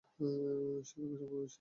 সে তোমার সমবয়সী ছিল।